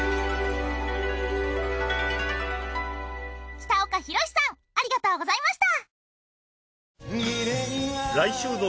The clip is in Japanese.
北岡ひろしさんありがとうございました。